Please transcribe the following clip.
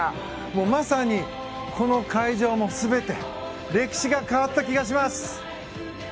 まさにこの会場も全て歴史が変わった気がします。